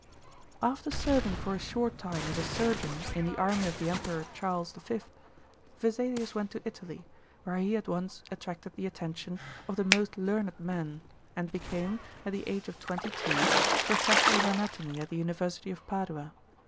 After serving for a short time as a surgeon in the army of the Emperor Charles V., Vesalius went to Italy, where he at once attracted the attention of the most learned men, and became, at the age of twenty two, Professor of Anatomy at the University of Padua.